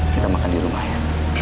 kita makan di rumah ya